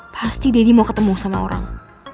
pasti deddy mau ketemu sama orang